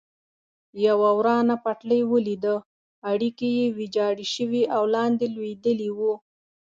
یوه ورانه پټلۍ ولیده، اړیکي یې ویجاړ شوي او لاندې لوېدلي و.